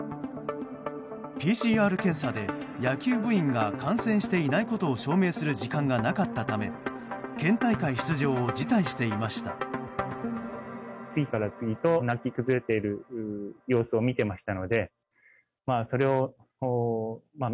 ＰＣＲ検査で野球部員が感染していないことを証明する時間がなかったため県大会出場を辞退していました。